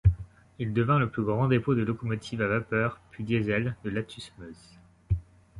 Il devint le plus grand dépôt de locomotives, à vapeur puis diesel de l'Athus-Meuse.